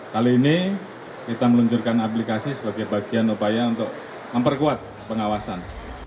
kali ini kita meluncurkan aplikasi sebagai bagian upaya untuk memperkuat pengawasan